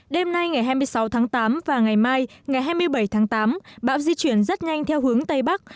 đêm nay ngày hai mươi sáu tháng tám và ngày mai ngày hai mươi bảy tháng tám bão di chuyển rất nhanh theo hướng tây bắc